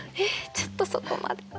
ちょっとそこまでは。